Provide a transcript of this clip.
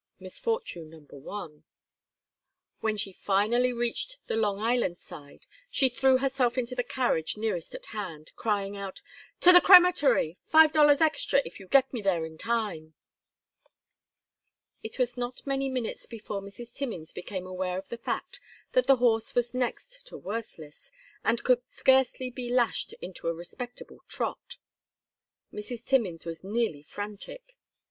Misfortune number one. When she finally reached the Long Island side, she threw herself into the carriage nearest at hand, crying out: "To the crematory! Five dollars extra if you get me there in time!" It was not many minutes before Mrs. Timmins became aware of the fact that the horse was next to worthless, and could scarcely be lashed into a respectable trot. Mrs. Timmins was nearly frantic.